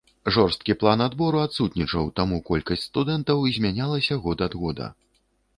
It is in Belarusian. Жорсткі план набору адсутнічаў, таму колькасць студэнтаў змянялася год ад года.